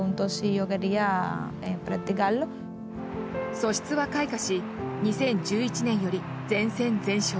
素質は開花し２０１２年より全戦全勝。